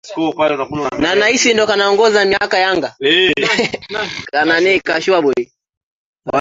marehemu flolebe chebe ikiendelea kusikilizwa wanasheria wameitaka mahakama iwe huru